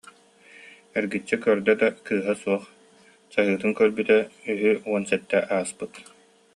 Эргиччи көрдө да, кыыһа суох, чаһыытын көрбүтэ, үһү уон сэттэ ааспыт